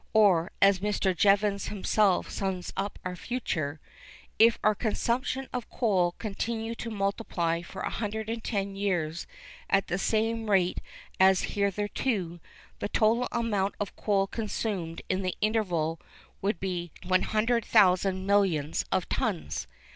Or as Mr. Jevons himself sums up our future, 'If our consumption of coal continue to multiply for 110 years at the same rate as hitherto, the total amount of coal consumed in the interval would be 100,000 millions of tons.